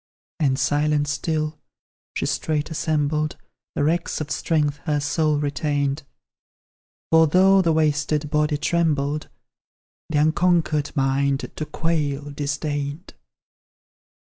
And silent still, she straight assembled The wrecks of strength her soul retained; For though the wasted body trembled, The unconquered mind, to quail, disdained.